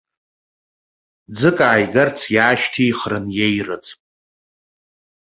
Ӡык ааигарц иаашьҭихрын иеирыӡ.